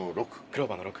クローバーの６。